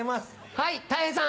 はいたい平さん。